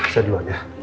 saya duluan ya